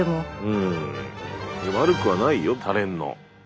うん悪くはないよたれんの。